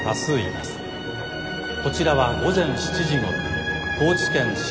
こちらは午前７時ごろ高知県潮